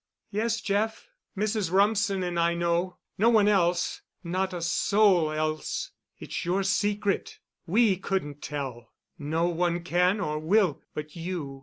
"Yes, Jeff. Mrs. Rumsen and I know—no one else—not a soul else. It's your secret. We couldn't tell. No one can or will but you."